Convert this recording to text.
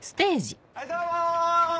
はいどうも！